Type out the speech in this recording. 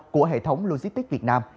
của hệ thống logistics việt nam